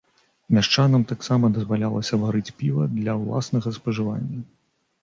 Мяшчанам таксама дазвалялася варыць піва для ўласнага спажывання.